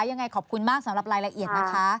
ยังไงขอบคุณมากสำหรับรายละเอียดนะคะ